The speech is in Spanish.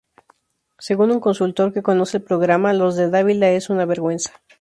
Según un consultor que conoce el programa, "lo de los Dávila es una vergüenza.